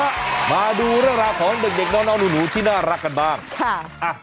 มาดูเรื่องราวของเด็กเด็กน้องน้องหนูที่น่ารักกันบ้างค่ะอ่ะ